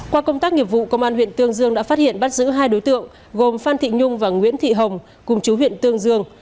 qua công tác nghiệp vụ công an huyện tương dương đã phát hiện bắt giữ hai đối tượng gồm phan thị nhung và nguyễn thị hồng cùng chú huyện tương dương